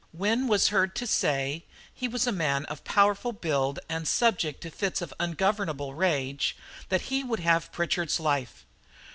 Wynne was heard to say (he was a man of powerful build and subject to fits of ungovernable rage) that he would have Pritchard's life.